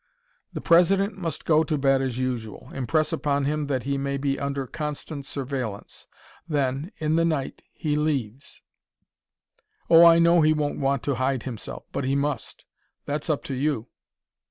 "The President must go to bed as usual impress upon him that he may be under constant surveillance. Then, in the night, he leaves "Oh, I know he won't want to hide himself, but he must. That's up to you.